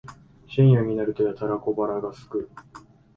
深夜になるとやたら小腹がすく